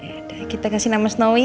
yaudah kita kasih nama snowy ya